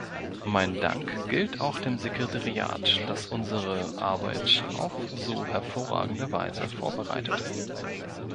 Mein Dank gilt auch dem Sekretariat, das unsere Arbeit auf so hervorragende Weise vorbereitet.